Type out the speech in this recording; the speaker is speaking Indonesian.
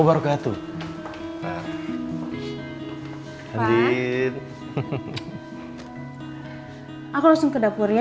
sampai jumpa di video selanjutnya